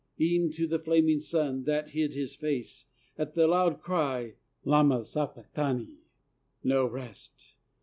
E'en to the flaming sun, that hid his face At the loud cry, "Lama Sabachthani!" No rest!